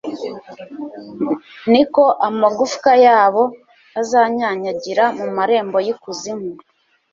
ni ko amagufwa yabo azanyanyagira mu marembo y’ikuzimu